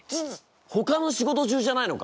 ほかの仕事中じゃないのか！？